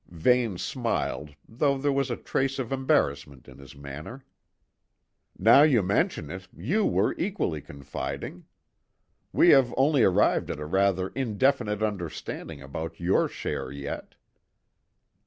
Vane smiled, though there was a trace of embarrassment in his manner. "Now you mention it, you were equally confiding. We have only arrived at a rather indefinite understanding about your share yet."